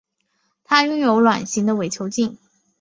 它拥有卵形的伪球茎。